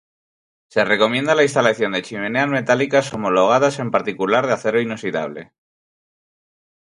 Se recomienda la instalación de chimeneas metálicas homologadas, en particular de acero inoxidable.